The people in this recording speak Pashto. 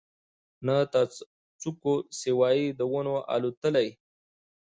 نه تر څوکو سوای د ونو الوتلای